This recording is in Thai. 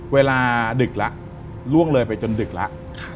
เวลาดึกแล้วล่วงเลยไปจนดึกแล้ว